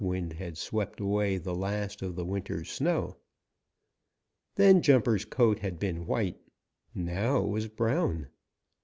Wind had swept away the last of the winter snow. Then Jumper's coat had been white; now it was brown.